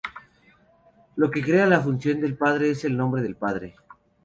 Lo que crea la función del padre es el nombre del padre.